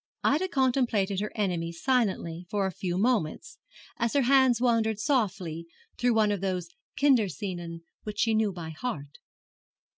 Ida contemplated her enemy silently for a few moments, as her hands wandered softly through one of those Kinder scenen which she knew by heart.